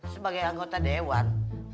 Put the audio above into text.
sebagai anggota dewan